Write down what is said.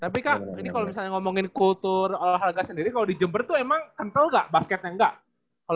tapi kak ini kalo misalnya ngomongin kultur olahraga sendiri kalo di jember tuh emang kental nggak basketnya nggak